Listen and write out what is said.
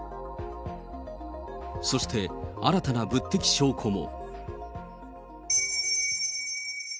そして新たな物的証拠も。